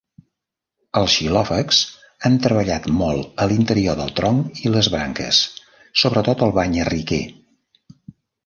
Els xilòfags han treballat molt a l'interior del tronc i les branques, sobretot el banyarriquer.